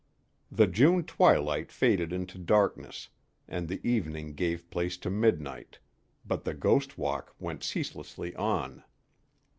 The June twilight faded into darkness, and the evening gave place to midnight, but the ghost walk went ceaselessly on.